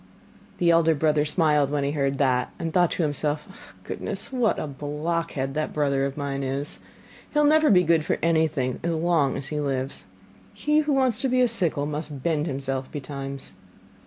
The elder brother smiled when he heard that, and thought to himself: 'Goodness, what a blockhead that brother of mine is! He will never be good for anything as long as he lives! He who wants to be a sickle must bend himself betimes.